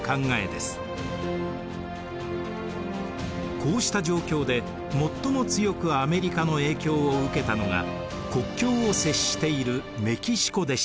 こうした状況で最も強くアメリカの影響を受けたのが国境を接しているメキシコでした。